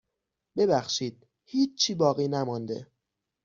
ببخشید هیچی باقی نمانده.